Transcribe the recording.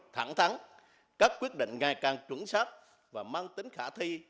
thẳng thắng các quyết định ngày càng chuẩn sát và mang tính khả thi